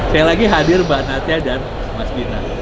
sekali lagi hadir mbak natya dan mas dina